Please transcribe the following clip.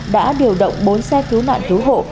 đã điều động bốn xe cứu nạn cứu hộ